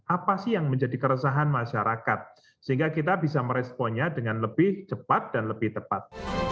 apa sih yang menjadi keresahan masyarakat sehingga kita bisa meresponnya dengan lebih cepat dan lebih tepat